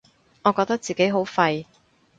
我覺得自己好廢